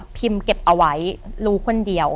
เก็บเอาไว้รู้คนเดียว